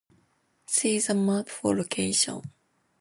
See the map for location.